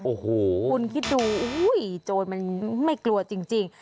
โอ้โหคุณคิดดูอุ้ยโจรมันไม่กลัวจริง